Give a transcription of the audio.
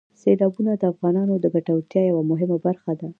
سیلابونه د افغانانو د ګټورتیا یوه مهمه برخه ده.